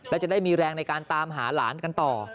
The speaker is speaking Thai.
และจะได้มีแรงในการตามหาหลานกันต่อ